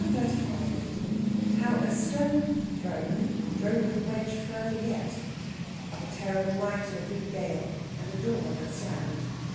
CHAPTER XXXV HOW A STONE THROWN DROVE THE WEDGE FURTHER YET. OF A TERRIBLE NIGHT IN A BIG GALE, AND A DOOR THAT SLAMMED.